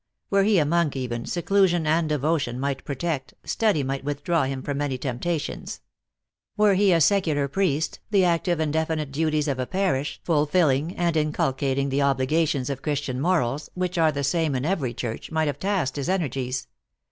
Were he a monk even, seclusion and devotion might protect, study might withdraw him from many temp tations. Were he a secular priest, the active and definite duties of a parish, fulfilling and inculcating the obligations of Christian morals, which are the same in every church, might have tasked his energies.